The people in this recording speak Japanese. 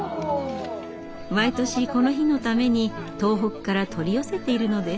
毎年この日のために東北から取り寄せているのです。